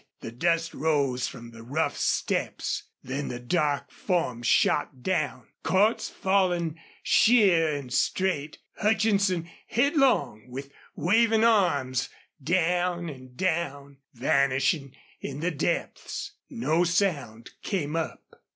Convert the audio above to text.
The dust rose from the rough steps. Then the dark forms shot down Cordts falling sheer and straight, Hutchinson headlong, with waving arms down and down, vanishing in the depths. No sound came up.